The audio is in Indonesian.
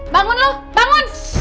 bangun lu bangun